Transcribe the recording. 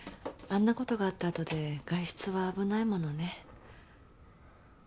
あんなことがあった後で外出は危ないものね。